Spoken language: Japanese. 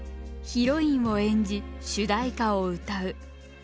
ヒロインを演じ主題歌を歌う。